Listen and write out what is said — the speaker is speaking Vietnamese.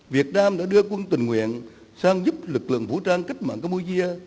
việt nam đã đưa quân tình nguyện sang giúp lực lượng vũ trang cách mạng campuchia